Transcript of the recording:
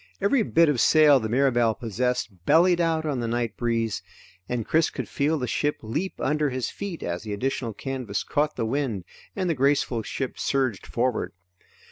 Every bit of sail the Mirabelle possessed bellied out on the night breeze, and Chris could feel the ship leap under his feet as the additional canvas caught the wind and the graceful ship surged forward.